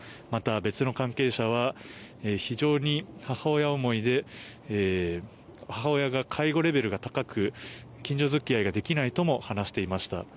また、別の関係者は非常に母親思いで母親が介護レベルが高く近所付き合いができないとも話していました。